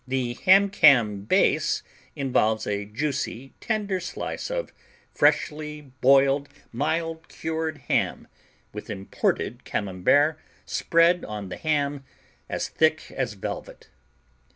The Ham Cam base involves "a juicy, tender slice of freshly boiled, mild cured ham" with imported Camembert spread on the ham as thick as velvet.